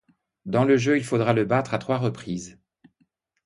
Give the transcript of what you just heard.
Dans le jeu, il faudra le battre à trois reprises.